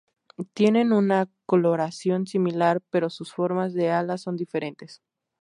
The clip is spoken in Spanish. Tienen una coloración similar, pero sus formas de ala son diferentes.